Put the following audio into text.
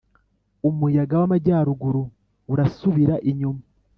umuyaga wamajyaruguru urasubira inyuma